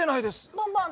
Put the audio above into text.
バンバーン？